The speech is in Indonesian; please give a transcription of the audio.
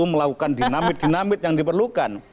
melakukan dinamit dinamit yang diperlukan